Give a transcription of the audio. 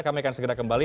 kami akan segera kembali